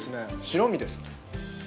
白身です。